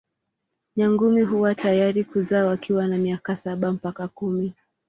Nyangumi huwa tayari kuzaa wakiwa na miaka saba mpaka kumi.